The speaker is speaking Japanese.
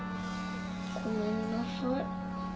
ごめんなさい。